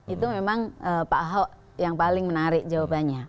itu memang pak ahok yang paling menarik jawabannya